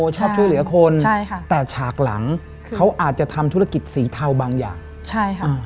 ชอบช่วยเหลือคนใช่ค่ะแต่ฉากหลังเขาอาจจะทำธุรกิจสีเทาบางอย่างใช่ค่ะอ่า